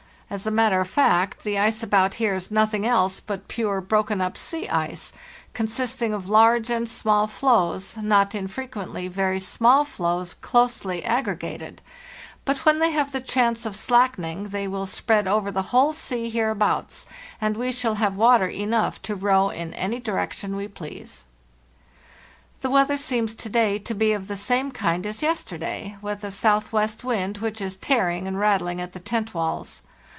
As a matter of fact, the ice about here is nothing else but pure broken up sea ice, consisting of large and small floes, not infre quently very small floes closely aggregated; but when they have the chance of slackening they will spread over the whole sea hereabouts, and we shall have water enough tc row in any direction we please. "The weather seems to day to be of the same kind as yesterday, with a southwest wind, which is tearing and rattling at the tent walls.